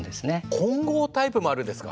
混合タイプもあるんですか？